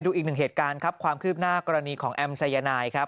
อีกหนึ่งเหตุการณ์ครับความคืบหน้ากรณีของแอมสายนายครับ